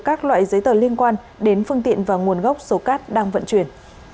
các loại giấy tờ liên quan đến phương tiện và nguồn gốc số cát đang vận chuyển